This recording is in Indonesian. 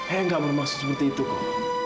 eh enggak mau maksud seperti itu kok